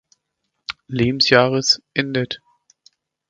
Lebensjahres endet.